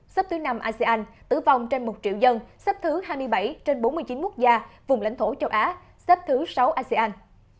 xếp thứ năm asean tử vong trên một triệu dân xếp thứ hai mươi bảy trên bốn mươi chín quốc gia vùng lãnh thổ châu á xếp thứ sáu asean